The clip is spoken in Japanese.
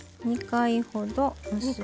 ２回ほど。